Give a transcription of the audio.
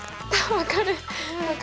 分かる。